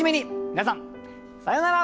皆さんさようなら。